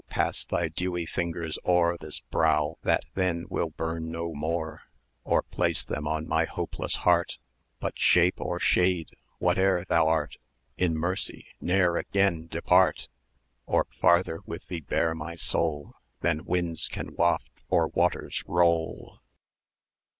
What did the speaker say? pass thy dewy fingers o'er This brow that then will burn no more; Or place them on my hopeless heart: But, Shape or Shade! whate'er thou art, In mercy ne'er again depart! Or farther with thee bear my soul Than winds can waft or waters roll!